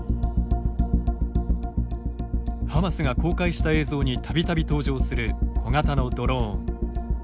ハマスが公開した映像にたびたび登場する小型のドローン。